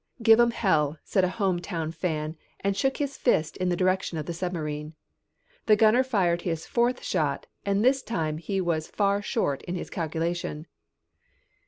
"Give 'em hell," said a home town fan and shook his fist in the direction of the submarine. The gunner fired his fourth shot and this time he was far short in his calculation.